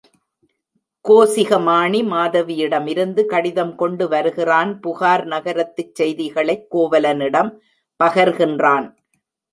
கோசிகமாணி மாதவியிடமிருந்து கடிதம் கொண்டு வருகிறான் புகார் நகரத்துச் செய்திகளைக் கோவலனிடம் பகர்கின்றான்.